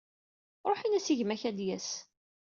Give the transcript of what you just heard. Ruḥ ini-yas i gma-k ad d-yas.